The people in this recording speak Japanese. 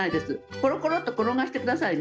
コロコロっと転がしてくださいね